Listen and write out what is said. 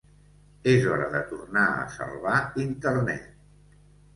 Es hora de tornar a salvar Internet.